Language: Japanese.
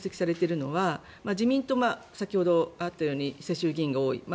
これで分析されているのは自民党は先ほどあったように世襲議員が多い。